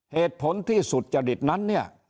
เหตุผลที่สุดจริตนั้น